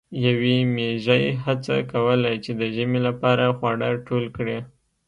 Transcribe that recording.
یوې میږی هڅه کوله چې د ژمي لپاره خواړه ټول کړي.